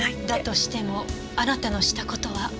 だとしてもあなたのした事は。